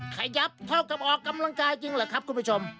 ขยับเท่ากับออกกำลังกายจริงเหรอครับคุณผู้ชม